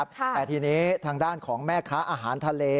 แต่ทีนี้ทางด้านของแม่ค้าอาหารทะเล